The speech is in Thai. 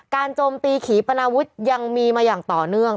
โจมตีขี่ปนาวุฒิยังมีมาอย่างต่อเนื่อง